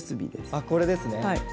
あこれですね。